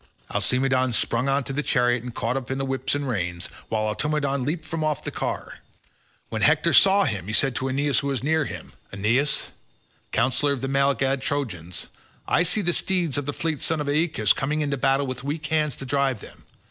Alcimedon sprang on to the chariot, and caught up the whip and reins, while Automedon leaped from off the car. When Hector saw him he said to Aeneas who was near him, "Aeneas, counsellor of the mail clad Trojans, I see the steeds of the fleet son of Aeacus come into battle with weak hands to drive them.